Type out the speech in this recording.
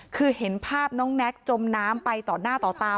คือเห็นภาพน้องแน็กจมน้ำไปต่อหน้าต่อตา